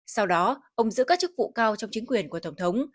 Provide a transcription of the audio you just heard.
sau đó ông giữ các chức vụ cao trong chính quyền của tổng thống